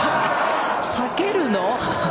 避けるの！？